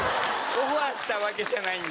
オファーしたわけじゃないんで。